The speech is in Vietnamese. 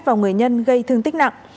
vào người nhân gây thương tích nặng